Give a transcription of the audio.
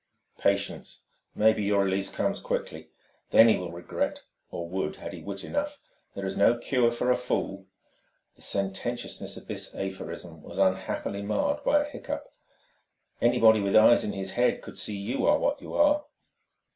"Patience. Maybe your release comes quickly. Then he will regret or would had he wit enough. There is no cure for a fool." The sententiousness of this aphorism was unhappily marred by a hiccough. "Anybody with eyes in his head could see you are what you are...."